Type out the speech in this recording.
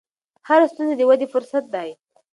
هره ستونزه د ودې فرصت دی.